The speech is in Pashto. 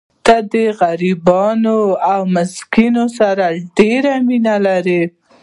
ته د غریبو او مسکینانو سره ډېره مینه کوې.